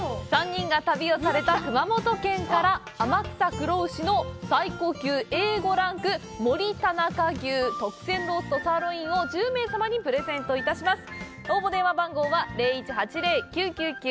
３人が旅をされた熊本から天草黒牛の最高級Ａ５ランクもりたなか牛特選ロースとサーロインを１０名様にプレゼントします。